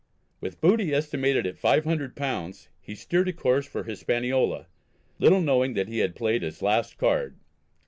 With booty estimated at £500, he steered a course for Hispaniola, little knowing that he had played his last card.